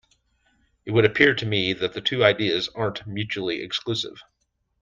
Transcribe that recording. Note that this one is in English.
It would appear to me that the two ideas aren't mutually exclusive.